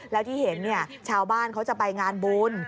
แล้วที่เห็นชาวบ้านเขาจะไปงานบุญ